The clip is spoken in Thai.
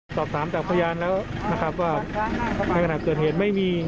สอบถามจากพยานแล้วนะครับว่าในขณะเกิดเหตุไม่มี